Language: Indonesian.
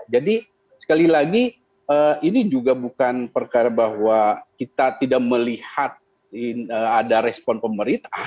jadi sekali lagi ini juga bukan perkara bahwa kita tidak melihat ada respon pemerintah